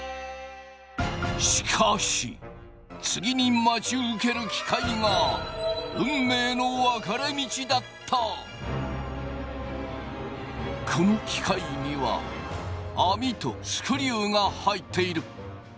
しかし次に待ち受ける機械がこの機械には網とスクリューが入っている。